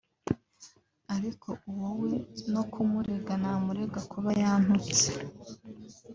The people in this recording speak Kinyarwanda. ariko uwo we no kumurega namurega kuba yantutse